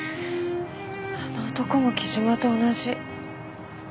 あの男も貴島と同じ。